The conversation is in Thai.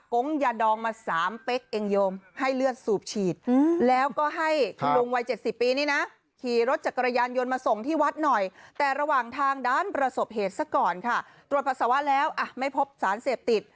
ตรวจภาษาวะแล้วไม่พบสารเสพติด